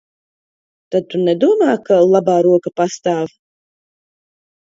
"Tad tu nedomā, ka "Labā roka" pastāv?"